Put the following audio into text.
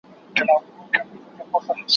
بیرته یوسه خپل راوړي سوغاتونه